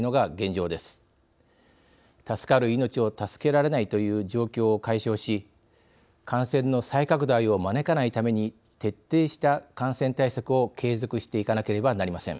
助かる命を助けられないという状況を解消し感染の再拡大を招かないために徹底した感染対策を継続していかなければなりません。